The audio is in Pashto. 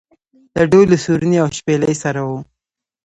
له ډول و سورني او شپېلۍ سره و.